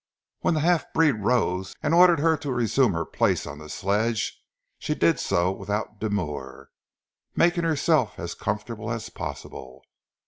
When the half breed rose, and ordered her to resume her place on the sledge, she did so without demur, making herself as comfortable as possible.